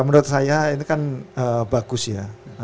menurut saya ini kan bagus ya